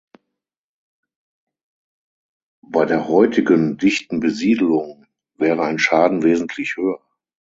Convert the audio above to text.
Bei der heutigen dichten Besiedelung wäre ein Schaden wesentlich höher.